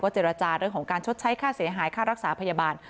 เจรจาเรื่องของการชดใช้ค่าเสียหายค่ารักษาพยาบาล